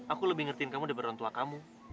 aku lebih ngerti kamu daripada orang tua kamu